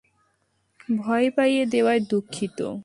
ভয় পাইয়ে দেওয়ায় দুঃখিত।